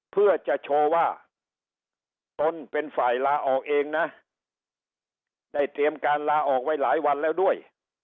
เพื่อจะโชว์ว่าตนเป็นฝ่ายลาออกเองนะได้เตรียมการลาออกไว้หลายวันแล้วด้วย